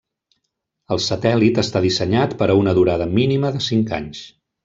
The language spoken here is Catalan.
El satèl·lit està dissenyat per a una durada mínima de cinc anys.